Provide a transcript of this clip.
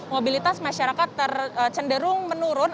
mobilitas masyarakat tercenderung menurun